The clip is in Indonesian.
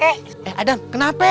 eh adam kenapa